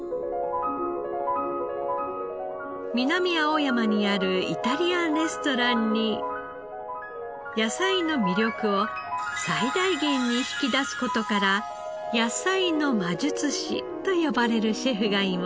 南青山にあるイタリアンレストランに野菜の魅力を最大限に引き出す事から「野菜の魔術師」と呼ばれるシェフがいます。